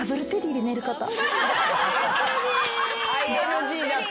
ＩＮＧだった。